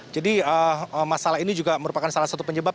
jadi masalah ini juga merupakan salah satu penyebab